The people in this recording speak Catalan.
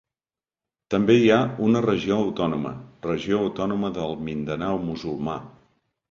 També hi ha una regió autònoma: Regió Autònoma del Mindanao Musulmà.